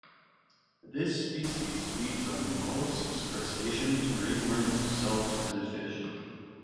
This species feeds on molluscs, crustaceans, marine worms, salps, and fish.